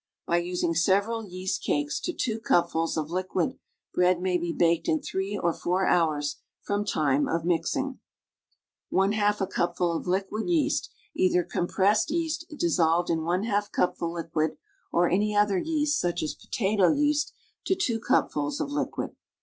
By using several yeast cakes to 2 cupfuls of liquid bread may be baked in three or four hours from lime of mixing). }2 a cupful of liquid yeast (either compressed yeast dissolved in }i cupful liquid, or any other yeast such as potato yea.st) to i cupfuls of liquid.